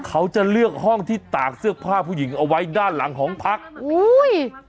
เขาจะเลือกห้องที่ตากเสื้อผ้าผู้หญิงเอาไว้ด้านหลังหอพักอุ้ย